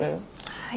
はい。